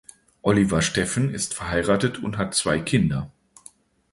Oliver Steffen ist verheiratet und hat zwei Kinder.